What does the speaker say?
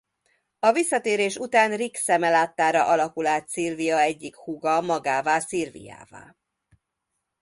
A visszatérés után Rick szeme láttára alakul át Sylvia egyik húga magává Sylviává.